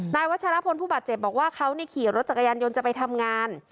วัชรพลผู้บาดเจ็บบอกว่าเขาขี่รถจักรยานยนต์จะไปทำงาน